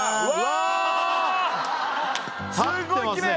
すっごいきれい！